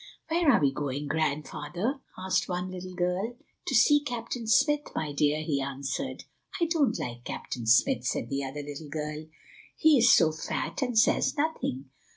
"Where are we going, Grandfather?" asked one little girl. "To see Captain Smith, my dear," he answered. "I don't like Captain Smith," said the other little girl; "he is so fat, and says nothing."